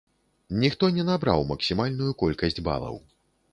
Ніхто не набраў максімальную колькасць балаў.